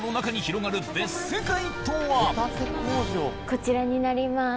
こちらになります。